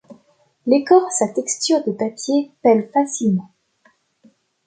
L'écorce à texture de papier pèle facilement.